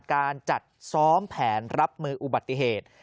การจัดซ้อมแผนรับมืออุบัติเหตุ